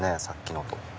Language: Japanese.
さっきのと。